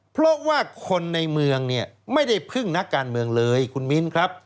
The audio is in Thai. เพราะว่าคนในเมืองเนี่ยไม่ได้พึ่งนักการเมืองเลยคุณมิ้นครับ